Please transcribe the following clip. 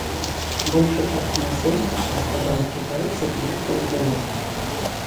Большую частку насельніцтва складаюць кітайцы і уйгуры.